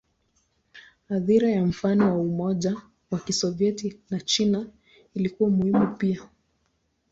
Athira ya mfano wa Umoja wa Kisovyeti na China ilikuwa muhimu pia.